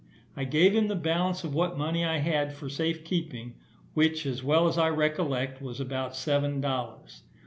I gave him the balance of what money I had for safe keeping, which, as well as I recollect, was about seven dollars.